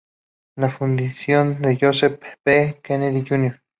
La Fundación Joseph P. Kennedy Jr.